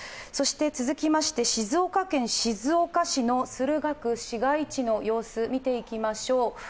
続きまして、静岡県静岡市の駿河区市街地の様子を見ていきましょう。